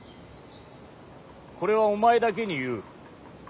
これはお前だけに言う。